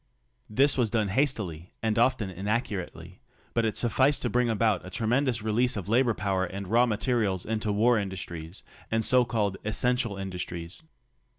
This was done hastily and often inaccurately, but it sufficed to bring about a tremendous release of labor power and raw materials into war industries and so called "essential industries."